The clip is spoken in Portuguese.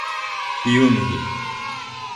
Piumhi